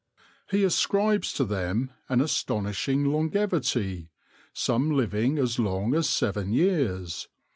He ascribes to them an astonishing longevity, some living as long as seven years.